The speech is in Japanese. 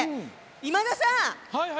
今田さん！